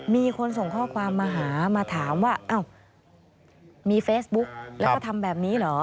มีคนส่งข้อความมาหามาถามว่าอ้าวมีเฟซบุ๊กแล้วก็ทำแบบนี้เหรอ